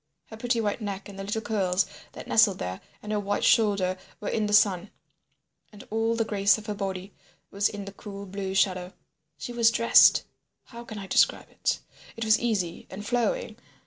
Her pretty white neck and the little curls that nestled there, and her white shoulder were in the sun, and all the grace of her body was in the cool blue shadow. She was dressed—how can I describe it? It was easy and flowing.